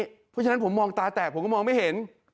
เพราะฉะนั้นผมมองตาแตกผมก็มองไม่เห็น